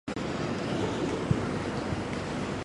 格兰特镇区为美国堪萨斯州渥太华县辖下的镇区。